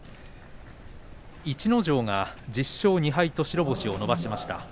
逸ノ城が１０勝２敗と白星を伸ばしました。